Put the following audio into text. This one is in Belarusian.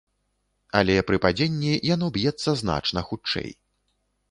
Але пры падзенні яно б'ецца значна хутчэй.